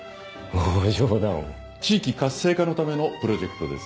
ご冗地域活性化のためのプロジェクトです